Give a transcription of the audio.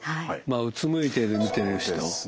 うつむいて見ている人